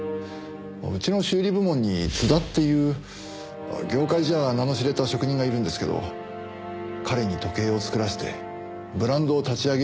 うちの修理部門に津田っていう業界じゃ名の知れた職人がいるんですけど彼に時計を作らせてブランドを立ち上げようって話で。